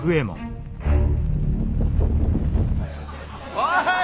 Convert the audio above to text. おい！